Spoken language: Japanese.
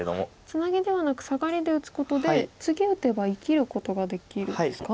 ツナギではなくサガリで打つことで次打てば生きることができるんですか？